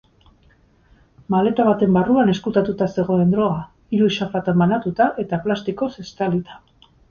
Maleta baten barruan ezkutatuta zegoen droga, hiru xaflatan banatuta eta plastikoz estalita.